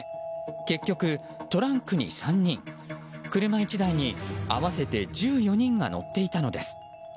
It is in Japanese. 結局、トランクに３人車１台に合わせて１４人が乗っていたのです。